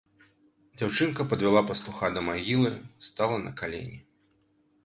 Дзяўчынка падвяла пастуха да магілы, стала на калені.